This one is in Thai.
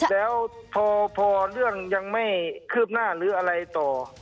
แล้วพอเรื่องยังไม่คืบหน้าหรืออะไรต่อ